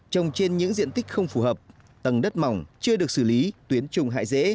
trồng trên những diện tích không phù hợp tầng đất mỏng chưa được xử lý tuyến trùng hại dễ